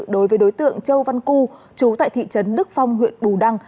đối với đối tượng châu văn cư trú tại thị trấn đức phong huyện bù đăng